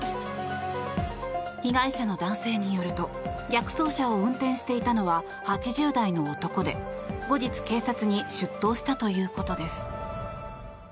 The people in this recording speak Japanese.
被害者の男性によると逆走車を運転していたのは８０代の男で後日、警察に出頭したということです。